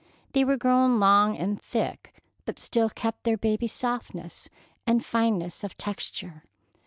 They were grown long and thick, but still kept their baby softness and fineness of texture.